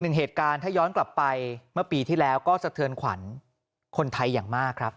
หนึ่งเหตุการณ์ถ้าย้อนกลับไปเมื่อปีที่แล้วก็สะเทือนขวัญคนไทยอย่างมากครับ